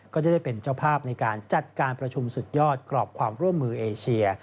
ก็จะได้เป็นเจ้าภาพในการจัดการประชุมสุดยอดกรอบความร่วมมือเอเชีย